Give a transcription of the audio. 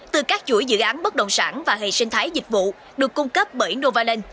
từ các chuỗi dự án bất động sản và hệ sinh thái dịch vụ được cung cấp bởi novaland